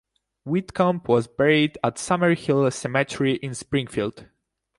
Whitcomb was buried at Summer Hill Cemetery in Springfield.